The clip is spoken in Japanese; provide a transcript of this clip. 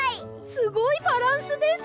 すごいバランスです。